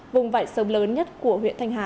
vùng vải sớm lớn nhất của huyện thanh hà